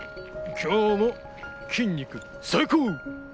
今日も筋肉最高。